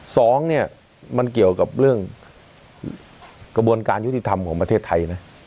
สองเนี่ยมันเกี่ยวกับเรื่องกระบวนการยุติธรรมของประเทศไทยนะ